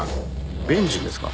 ベンジンですか。